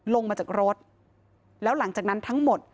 ลงมาจากรถแล้วหลังจากนั้นทั้งหมด